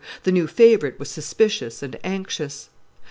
The new favorite was suspicious and anxious.